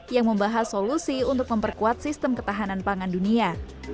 yang membahas solusi untuk memperkuat sistem ketahanan pangan dunia